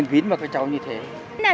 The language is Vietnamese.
nhưng mà nó láo lắm chị ạ